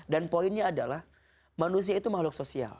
dan poinnya adalah manusia itu makhluk sosial